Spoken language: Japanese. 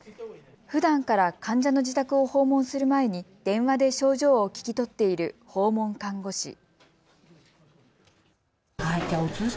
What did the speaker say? ふだんから患者の自宅を訪問する前に電話で症状を聞き取っている訪問看護師。